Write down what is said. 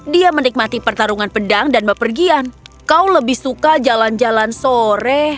dia menikmati pertarungan pedang dan bepergian kau lebih suka jalan jalan sore